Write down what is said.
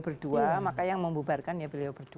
berdua maka yang membubarkan ya beliau berdua